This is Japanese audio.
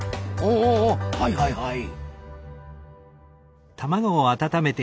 おはいはいはい。